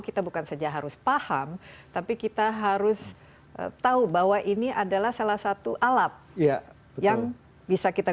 kita bukan saja harus paham tapi kita harus tahu bahwa ini adalah salah satu alat yang bisa kita